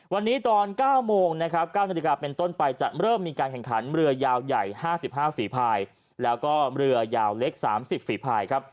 วันนี้ตอน๙โมงนะครับ๙นาฬิกาเป็นต้นไปจะเริ่มมีการแข่งขันเรือยาวใหญ่๕๕ฝีภายแล้วก็เรือยาวเล็ก๓๐ฝีภายครับ